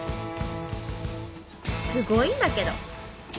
すごいんだけど！